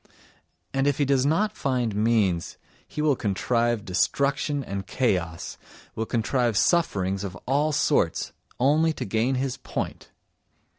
And if he does not find means he will contrive destruction and chaos, will contrive sufferings of all sorts, only to gain his point!